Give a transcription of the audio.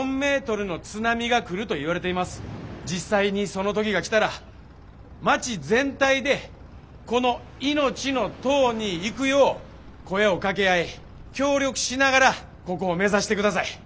実際にその時が来たら町全体でこの命の塔に行くよう声をかけ合い協力しながらここを目指してください。